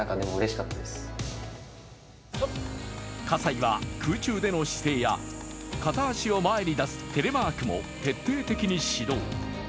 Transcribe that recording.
葛西は空中での姿勢や片足を前に出すテレマークも徹底的に指導。